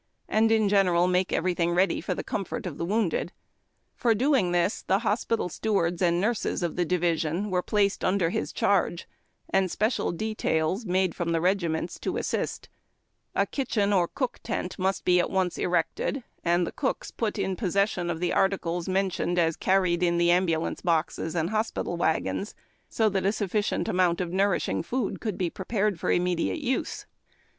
and, in general, make everything ready for the comfort of the wounded. For 30r> JIAHJ) TACK AM) COFFEE. doing tliis tlie ]i()S})ital stewards and nurses of tlie division were placed under his cliarge, and special details made from the regiments to assist. A kitchen or cook tent must be at once erected and the cooks put in possession of the articles mentioned as carried in the ambulance boxes and hospital wagons, so that a sufficient amount of nourishing food could be prepared for immediate use.